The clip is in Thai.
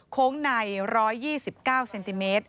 โค้งใน๑๒๙ซม